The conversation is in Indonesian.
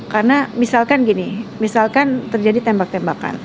karena misalkan gini misalkan terjadi tembak tembakan